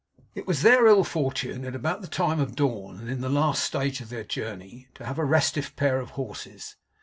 It was their ill fortune, at about the time of dawn and in the last stage of their journey, to have a restive pair of horses.